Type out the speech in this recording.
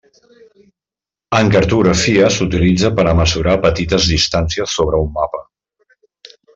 En cartografia s'utilitza per a mesurar petites distàncies sobre un mapa.